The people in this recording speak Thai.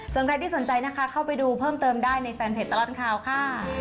ส่วนใครที่สนใจนะคะเข้าไปดูเพิ่มเติมได้ในแฟนเพจตลอดข่าวค่ะ